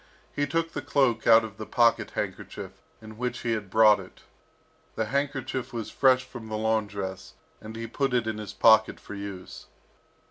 He took the cloak out of the pocket handkerchief in which he had brought it. The handkerchief was fresh from the laundress, and he put it in his pocket for use.